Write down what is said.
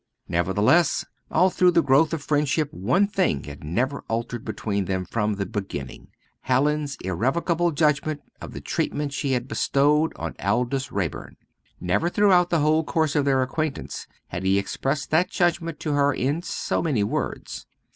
Nevertheless, all through the growth of friendship one thing had never altered between them from the beginning Hallin's irrevocable judgment of the treatment she had bestowed on Aldous Raeburn. Never throughout the whole course of their acquaintance had he expressed that judgment to her in so many words.